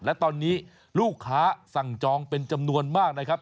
และตอนนี้ลูกค้าสั่งจองเป็นจำนวนมากนะครับ